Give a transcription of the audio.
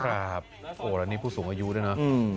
ครับโอ้แล้วนี่ผู้สูงอายุด้วยนะ